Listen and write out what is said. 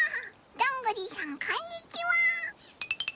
どんぐりさんこんにちは！